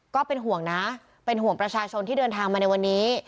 ก็เป็นห่วงนะเป็นห่วงประชาชนที่เดินทางมาในวันนี้